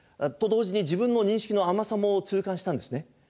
と同時に自分の認識の甘さも痛感したんですね。